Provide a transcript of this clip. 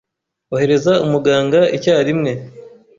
Ohereza umuganga icyarimwe.